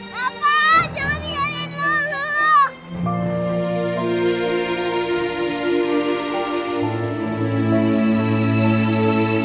jangan tinggalin lalu pak